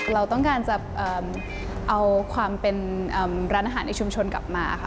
เราต้องการจะเอาความเป็นร้านอาหารในชุมชนกลับมาค่ะ